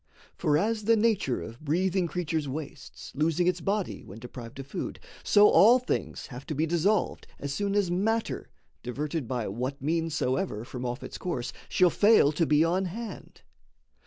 For as the nature of breathing creatures wastes, Losing its body, when deprived of food: So all things have to be dissolved as soon As matter, diverted by what means soever From off its course, shall fail to be on hand.